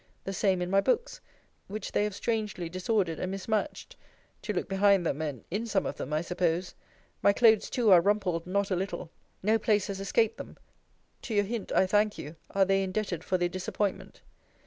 The same in my books; which they have strangely disordered and mismatched; to look behind them, and in some of them, I suppose. My clothes too are rumpled not a little. No place has escaped them. To your hint, I thank you, are they indebted for their disappointment.